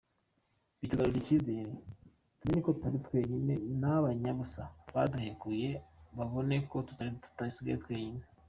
Bitugaruriye icyizere, tumenye ko tutari twenyine na ba nyabusa baduhekuye babona ko tutasigaye twenyine.